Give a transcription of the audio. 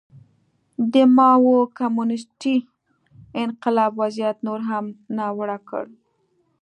د ماوو کمونېستي انقلاب وضعیت نور هم ناوړه کړ.